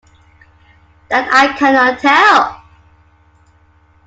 That I cannot tell.